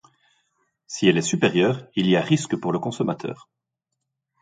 Si elle est supérieure, il y a risque pour le consommateur.